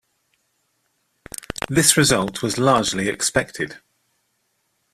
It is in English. This result was largely expected.